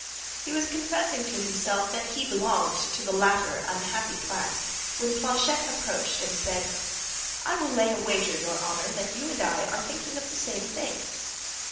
He was confessing to himself that he belonged to the latter unhappy class, when Planchet approached and said: "I will lay a wager, your honor, that you and I are thinking of the same thing."